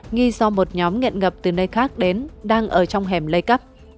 nghi do một nhóm nghiện ngập từ nơi khác đến đang ở trong hẻm lây cắp